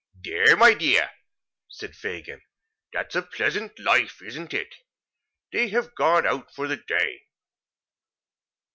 "There, my dear," said Fagin. "That's a pleasant life, isn't it? They have gone out for the day."